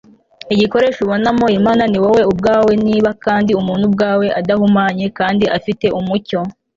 igikoresho ubonamo imana ni wowe ubwawe niba kandi umuntu ubwe adahumanye kandi afite umucyo